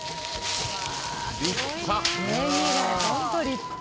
立派！